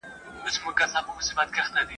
که واړه دي که لویان پر تا سپرېږي !.